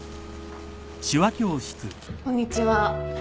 こんにちは。